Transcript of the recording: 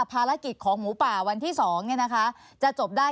ภารกิจของหมูป่าวันที่๒จะจบได้